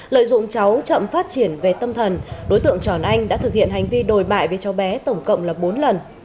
lợi dụng cháu chậm phát triển về tâm thần đối tượng tròn anh đã thực hiện hành vi đồi bại với cháu bé tổng cộng là bốn lần